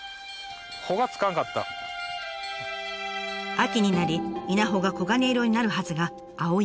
秋になり稲穂が黄金色になるはずが青いままです。